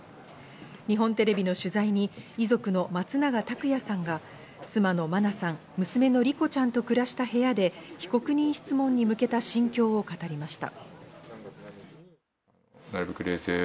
日本テレビの取材に遺族の松永拓也さんが妻の真菜さん、娘の莉子ちゃんと暮らした部屋で被告人質問に向けた心境を語りました。